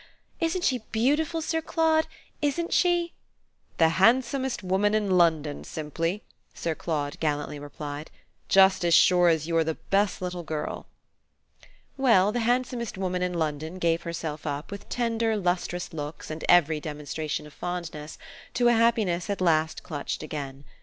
Isn't she beautiful, Sir Claude, ISN'T she?" "The handsomest woman in London, simply," Sir Claude gallantly replied. "Just as sure as you're the best little girl!" Well, the handsomest woman in London gave herself up, with tender lustrous looks and every demonstration of fondness, to a happiness at last clutched again.